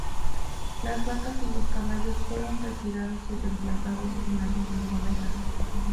Las vacas y los caballos fueron retirados y reemplazados con algunas ovejas.